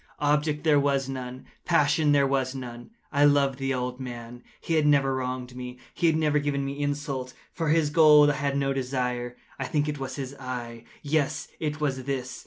Object there was none. Passion there was none. I loved the old man. He had never wronged me. He had never given me insult. For his gold I had no desire. I think it was his eye! yes, it was this!